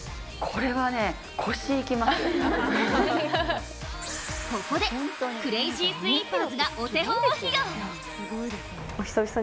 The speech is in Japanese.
ここでクレイジースイーパーズがお手本を披露。